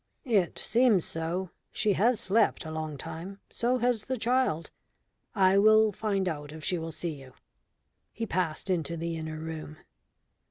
"It seems so. She has slept a long time. So has the child. I will find out if she will see you." He passed into the inner room.